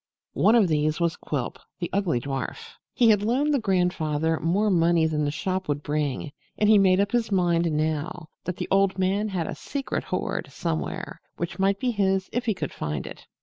One of these was Quilp, the ugly dwarf. He had loaned the grandfather more money than the shop would bring, and he made up his mind now that the old man had a secret hoard somewhere, which might be his if he could find it.